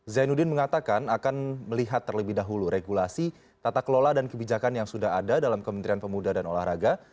zainuddin mengatakan akan melihat terlebih dahulu regulasi tata kelola dan kebijakan yang sudah ada dalam kementerian pemuda dan olahraga